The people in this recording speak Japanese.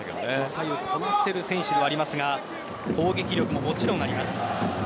左右をこなせる選手ではありますが攻撃力ももちろんあります。